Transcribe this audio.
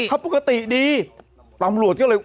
มันก็จับไม่ได้มันก็จับไม่ได้